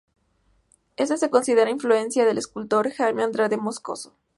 Esto se considera influencia del escultor Jaime Andrade Moscoso.